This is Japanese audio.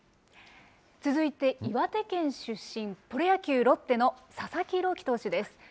続いて、岩手県出身、プロ野球・ロッテの佐々木朗希投手です。